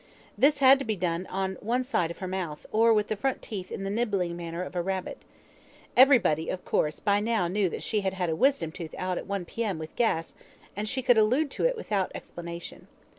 This had to be done on one side of her mouth, or with the front teeth in the nibbling manner of a rabbit. Everybody, of course, by now knew that she had had a wisdom tooth out at one p.m. with gas, and she could allude to it without explanation.